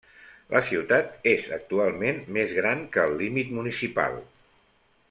La ciutat és actualment més gran que el límit municipal.